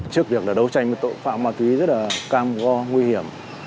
trước việc đấu tranh với tội phạm ma túy rất là cam go nguy hiểm